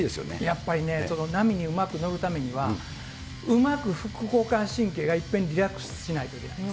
やっぱりね、波にうまく乗るためには、うまく副交感神経がいっぺんリラックスしないとできません。